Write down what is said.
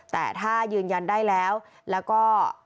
แต่ถ้ายืนยันได้แล้วแล้วก็